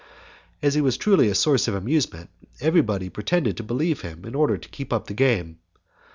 As he was truly a source of amusement, everybody pretended to believe him in order to keep up the game.